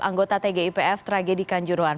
anggota tgpf tragedi kanjuruhan